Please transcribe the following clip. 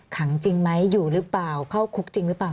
ขังจริงไหมอยู่หรือเปล่าเข้าคุกจริงหรือเปล่า